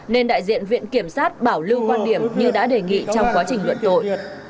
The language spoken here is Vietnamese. nên đại diện viện kiểm sát bảo lưu quan điểm như đã đề nghị trong quá trình luận tội